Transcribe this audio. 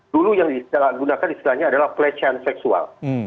dulu yang digunakan adalah pelecehan seksual